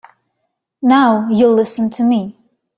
Now you listen to me.